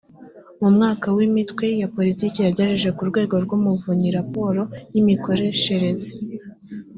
mu mwaka wa imitwe ya politiki yagejeje ku rwego rw umuvunyi raporo y imikoreshereze